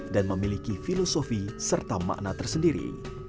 dan memiliki filosofi serta makna tersendiri